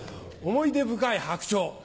思い出深い白鳥。